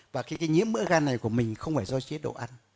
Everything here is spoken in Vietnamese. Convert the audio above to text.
và cái nhiễm mỡ gan này của mình không phải do chế độ ăn